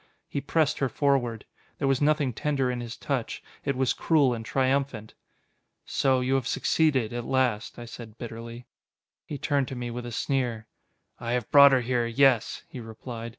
He pressed her forward. There was nothing tender in his touch: it was cruel and triumphant. "So you have succeeded at last," I said bitterly. He turned to me with a sneer. "I have brought her here, yes," he replied.